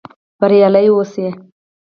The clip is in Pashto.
بریالي اوسئ؟